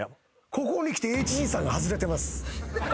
ここにきてＨＧさんが外れてます。